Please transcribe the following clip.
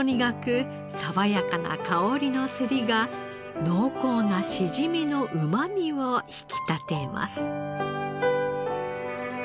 さわやかな香りのセリが濃厚なしじみのうまみを引き立てます。